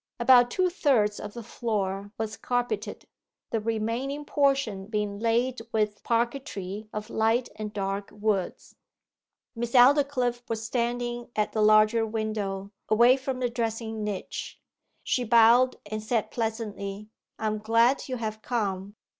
About two thirds of the floor was carpeted, the remaining portion being laid with parquetry of light and dark woods. Miss Aldclyffe was standing at the larger window, away from the dressing niche. She bowed, and said pleasantly, 'I am glad you have come.